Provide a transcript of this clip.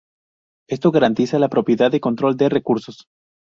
Esto garantiza la propiedad de control de recursos.